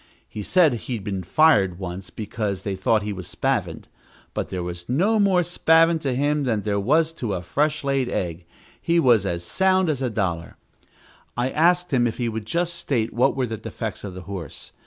He said he'd been fired once, because they thought he was spavined; but there was no more spavin to him than there was to a fresh laid egg he was as sound as a dollar. I asked him if he would just state what were the defects of the horse.